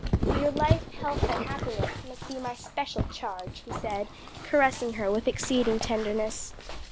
and your life, health and happiness must be my special charge," he said, caressing her with exceeding tenderness.